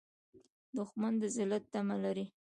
دښمن د ذلت تمه لري